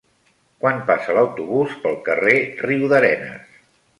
Quan passa l'autobús pel carrer Riudarenes?